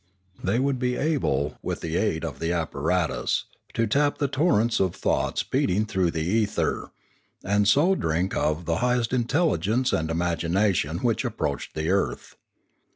They would be able, with the aid of the apparatus, to tap the torrents of thought speeding through the ether, and so drink of the high est intelligence and imagination which approached the earth.